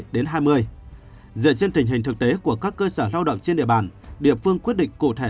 dựa trên tình hình thực tế của các cơ sở lao động trên địa bàn địa phương quyết định cụ thể